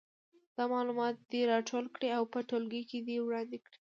دا معلومات دې راټول کړي او په ټولګي کې دې وړاندې کړي.